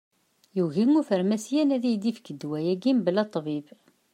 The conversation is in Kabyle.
Yugi ufarmasyan ad yi-d-yefk ddwa-agi mebla ṭṭbib.